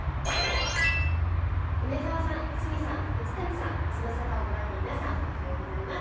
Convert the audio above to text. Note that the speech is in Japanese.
梅澤さん、鷲見さん、水谷さん、ズムサタをご覧の皆さん、おはようございます。